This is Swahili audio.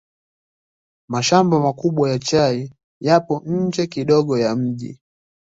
Mashamba makubwa ya chai yapo nje kidogo ya mji.